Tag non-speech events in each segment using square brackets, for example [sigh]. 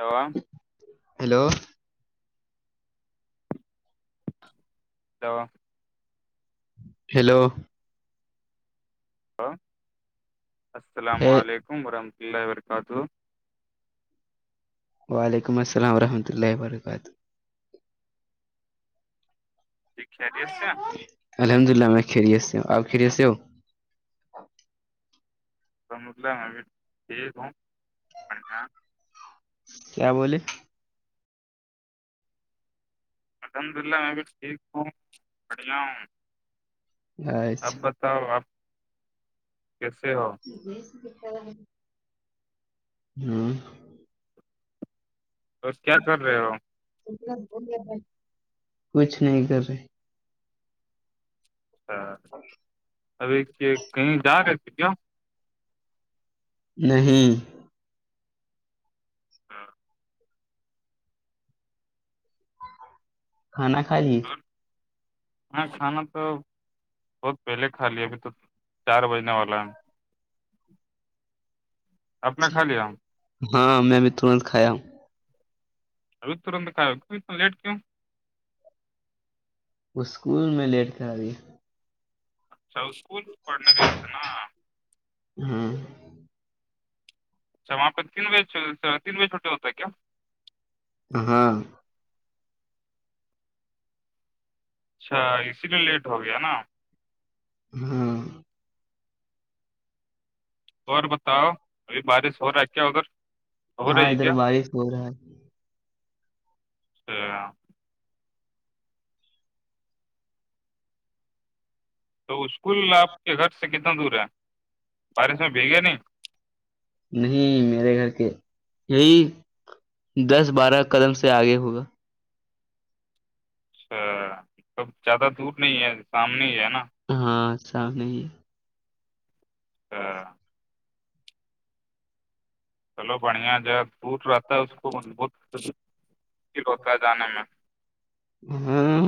ہوا ہیلو تو ہیلو السلام ہے علیکم ورحمۃہ اللہ وبرکاتہ وعلیکم السلام ورحمۃ اللہ و برکاتہ جی خیریت سے ہیں؟ الحمد للہ میں کھیریس ہوں آپ کھیری سے ہو س مد کیا بولے الحمد للہ میں بھی ٹھیک ہوں بڑھیا ہوں اب اچھا بتاؤ آپ کیسے ہو جس کیتا ہوں بس کیا کر رہے ہو کچھ نہیں کر رہے ہاں اچ [unintelligible] ابھی کہیں جا کر کیا نہیں ہاں کھانا کھا لئے اور ہاں کھانا تو بہت پہلے کھا لی ابھی تو چار بجنے والا ہے آپ نے کھا لیا ہاں میں بھی تھڈا کھایا ہو اب تو ر کاتنا لیٹ کیوں وہ اسکول میں لیٹتے آ رہی اچھا اسکول پڑھنے کا تھ نا ہاں اچھااںہ تین ویج تین ویج چھوٹے ہوتا ہے کیا ہاں اچھا اسی لیے لیٹ ہو گیا نا ہاں اور بتاؤ ابھی بارش ہو رہا ہے کیا ادگر ہاں ادھر بارس ہو رہا ہے اچھا تو اسکول آپ کے گھر سے کتنا دور ہے بارش میں بھیگیا نہیں نہیں میرے گھر کے یہی دس بارہ قدم سے آگے ہوگا اچھا کب زیادہ دور نہیں ہے سامنے ہی ہے نا ہاں سام نہیں ہے ہاں چلو بڑھیا ج ہے دوور رہتا ہے اس کو بت مشکل ہوتا ہے جانے میں ہوں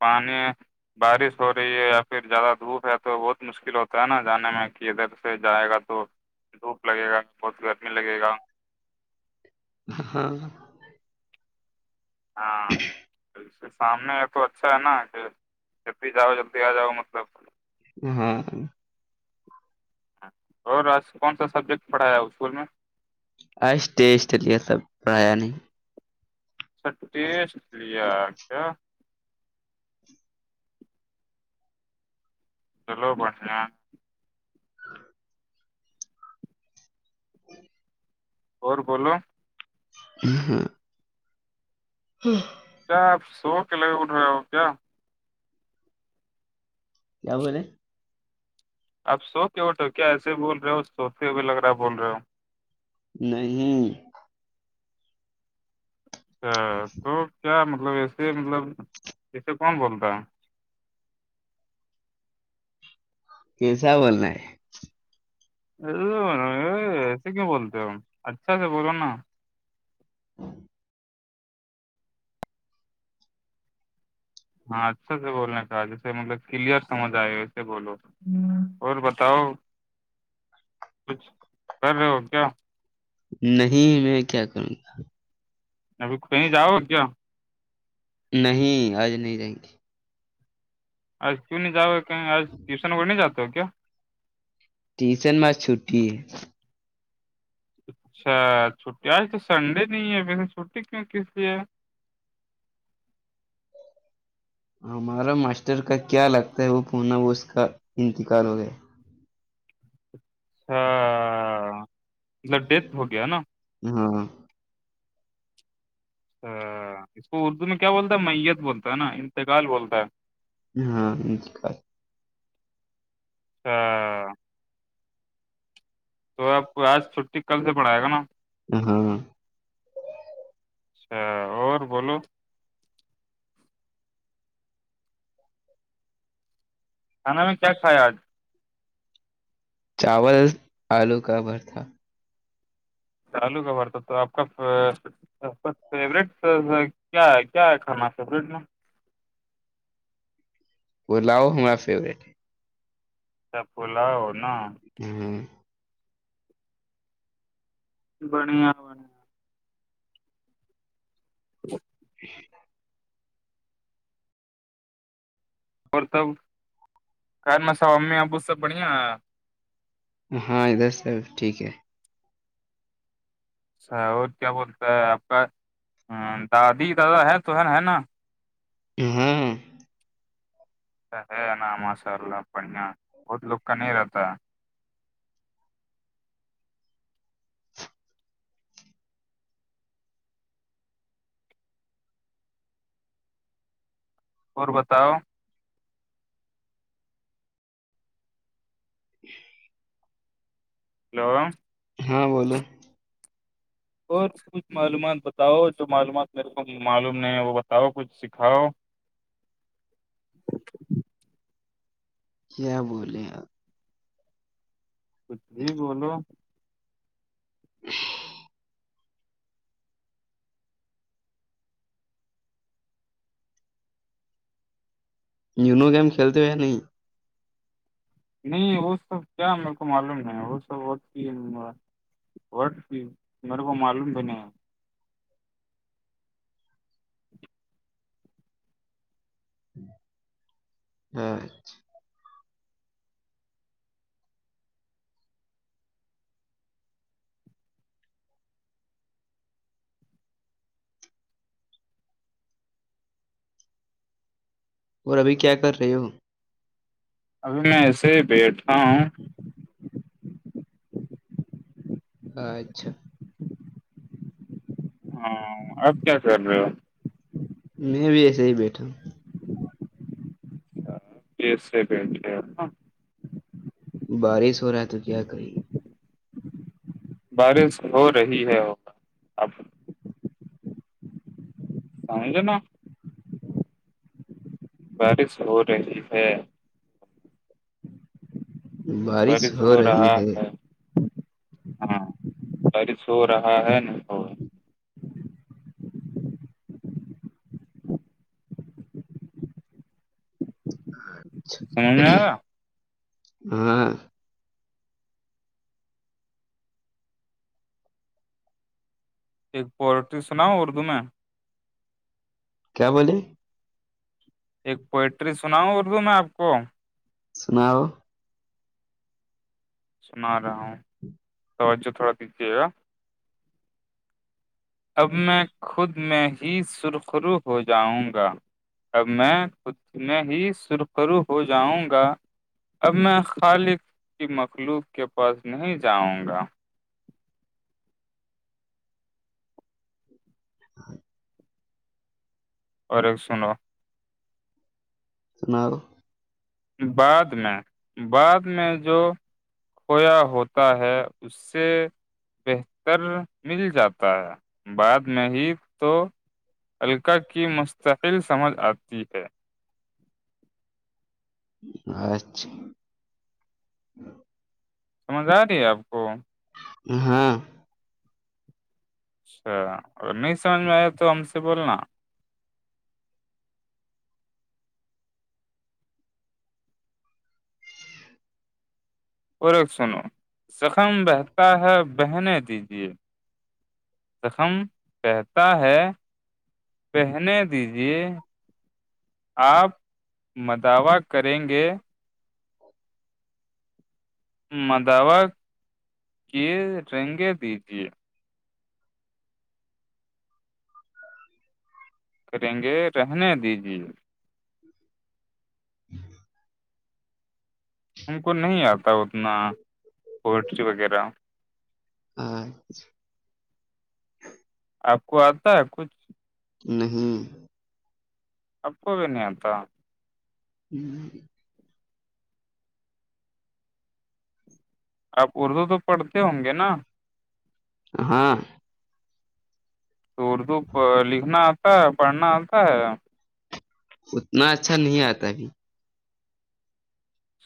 پانی بارش ہو رہی ہے یا پھر زیادہ دھوپ ہے تو بہت مشکل ہوتا ہے نا جانے میں کہ ادھر سے جائے گا تو دھوپ لگے گا بہت گرمی لگے گا ہاں ہاں سامنے یہ تو اچھا ہے نا کہ ج ہی جاؤ جلدی آ جاؤ مطلب ہاں اور آج کون سا سبجیکٹ پڑھایا ہے اسکول میں اس ئیسٹ لے سب پرڑا نہیں سٹیس لیا آ کیا چلو باٹا اور بولو [unintelligible] ہاں کیا آپ سو کے لگے اٹھ رہے ہو کیا کیا بولے آپ سو کے آوٹو کیا ایسے بول رہے ہو سوکے بھی لگ رہا بول رہے ہو نہیں اچھا تو کیا مطلب ایسے مطلب ایسے کون بولتا ہے کیسا بولنا ہے ا ایسے کیوں بولتے ہو اچھا سے بولو نا ہاں [inaudible] ہاں اچھا سے بولنے کا جیسے مطلب کلیئر سمج آئے ویسے بولو اور بتاؤ کچھ کر رہے ہو کیا نہیں میں کیا کروں گا اب کہیں جاؤ گ کیا نہیں آج نہیں جائیں گے آج کیوں نہیں جاؤ کہیں آج ٹیوشن و نہیں جا کیا ٹیشن میں چھٹی ہے اچھا چھٹی آج تو سنڈے نہیں ہے ون چھٹی کیوں کس لیے ہے ہمارا ماسٹر کا کیا لگتا ہے وہ پنا وہ اس کا انتقال ہو گیا ہاں [unintelligible] ہاں ا اس کو اردو میں کیا بولتا ہے میت بولتا ہے نا انتقال بولتا ہے ہاں جک ہاں [unintelligible] تو آب آج چھٹی کل سے پڑائے گا نا ا ہاں اچھا اور بولو سا میں کیا خیال چاول آلو کا بھر تھا چالو کا بارت تو آپ کا فیوریٹ کیا ہے کیا ہے کھانا سیبریٹ میں الاؤ ہما فیوریٹ ہے چپ پولاؤ نا ہاں ہاں بنییا ب ج [inaudible] اور تب خ مسا امی ابو سب بڑھیا ہے ہاں ادھر سے ٹھیک ہے اچھا اور کیا بولتا ہے آپ کا دادی دادا ہے تو ہے ہے نا ہاں ہے نا ماشاء اللہ بڑیا بہت لک کا نہیں رہتا اور بتاؤ ہ [inaudible] ہلو ہاں بولو اور کچھ معلومات بتاؤ جو معلومات میرے کو معلوم نہیں ہے وہ بتاؤ کچھ سکھاؤ [inaudible] کیا بولے کچھ بھی بولو ج [unintelligible] نیونو گیم کھیلتے ہوئے نہیں نہیں وہ سب کیا میرے کو معلوم نہیں وہ سبت وٹ ت میرے کو معلوم بنے ہے ااںچھا [unintelligible] اور ابھی کیا کر رہے ہو ابھی میں ایسے ہی بیٹھا ہوں اچھا ہاں اب کیا کر رہے ہو میں بھی ایسے ہی بیٹھا ہوں یہٹ ہاں بارش ہو رہا ہے تو کیا کریے بارش ہو رہی ہے وہ ہاںیر ن بارش ہو رہی ہے بارش ہو رہا ہے ہاں بارش ہو رہا ہے نا جی ہاں سمج میں ہاں ایک پولٹ سناؤ اردو میں کیا بولے ایک پوئٹری سنا ہوں اردو میں آپ کو سناؤ سنا رہا ہوں توجہ تھوڑا دجیے گا اب میں خود میں ہی سرخرو ہو جاؤں گا اب میں خود میں ہی سرخرو ہو جاؤں گا اب میں خالق کی مخلوق کے پاس نہیں جاؤں گا ہاں اور ایک سنو سناؤ بعد میں بعد میں جو کھویا ہوتا ہے اس سے بہتر مل جاتا ہے بعد میں ہی تو القا کی مستحل سمجھ آتی ہے اچھا سمجھ آ رہی ہے آپ کو ہاں اچھا اگر نہیں سمجھ میں آیا تو ہم سے بولنا اور ایک سنو زخم بہتا ہے بہنے دیجے زخم کہتا ہے پہنے دیجے آپ م دعوع کریں گے مدوہ کی رنگیں دیجیے کریں گے رہنے دیی ہ ہم کو نہیں آتا اتنا پوئٹری وغیرہ ہاں آپ کو آتا ہے کچھ نہیں اپو بین ات ہوں آپ اردو تو پڑھتے ہوں گے نا ہاں تو اردو لکھنا آتا ہے پڑھنا آتا ہے اتنا اچھا نہیں آتا ابھی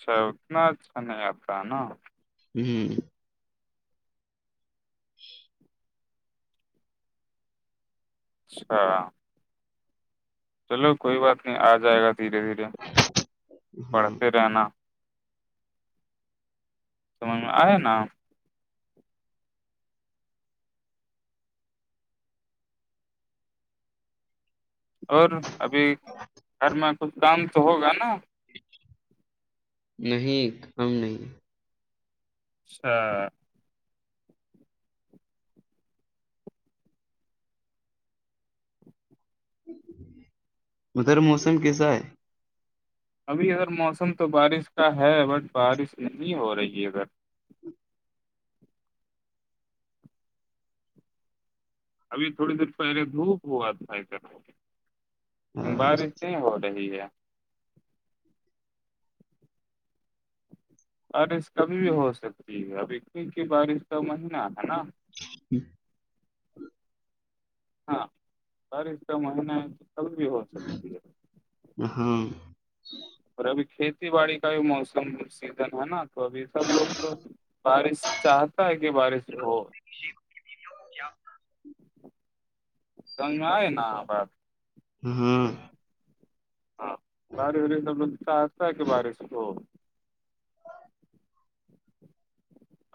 شتناچ نہیں آپا نا ہ ہ اچھا چلو کوئی بات نہیں آ جائے گا دھیرے دھیرے ہاں پڑھتے رہنا سمجھ میں آیا نا اور ابھی گھر میں کچھ دام تو ہوگا نا نہیں کم نہیں اچھ ادھر موسم کیسا ہے ابھی اگر موسم تو بارش کا ہے بٹ بارش نہیں ہو رہی ہے اگر ابھی تھوڑی دیر پہلے دھوپ ہوا تھا ایک لیکن آج؟ بارش نہیں ہو رہی ہے بارش کبھی بھی ہو سکتی ہے ابھی کیونکہ بارش کا مہینہ ہے نا ہ ہاں ساری کا مہین چلی ہو سکتی ہے ہ ہاں اور ابھی کھیتی باڑی کا بھی موسم سیزن ہے نا تو ابھی سب لوگ تو بارش چاہتا ہے کہ بارش ہو جی کیا سنج میں آئے نا آ بپ ہاں ہاں باری دتا ہے کہ بار اس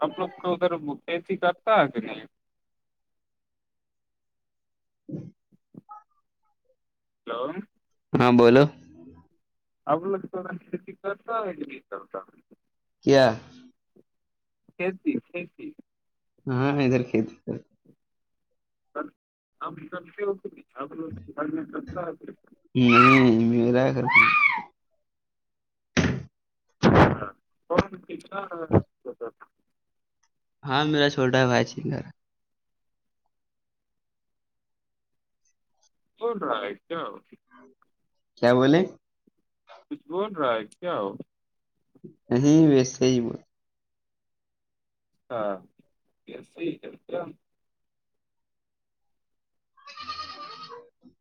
ا لوگ تو اغیر مےھی کرتا ہے کہ جی ہلو ہاں بولو ا ل کرتا نہیں کرتا کیا کھیتی کھیتی ہاںر کتی س آ س نہیں میرا کرھر ہاں کیا ہاں میرا شھولڈر ہےائیچ سنر ہے کونا آئیتا کیا بولے کچھ بول رہا ہے کیا ہو نہیں ویسے ہی بول ہاں جی [inaudible]